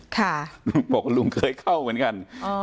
บอกว่าลุงเคยเข้าเหมือนกัน